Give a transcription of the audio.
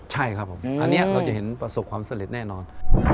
ใช่ครับผมอันนี้เราจะเห็นประสบความสำเร็จแน่นอน